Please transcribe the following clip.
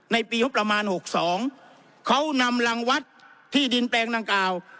ในปีประมาณหกสองเขานำรังวัดที่ดินแปลงนางกาว